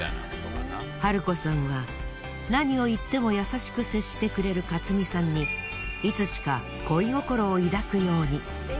春子さんは何を言っても優しく接してくれる勝三さんにいつしか恋心を抱くように。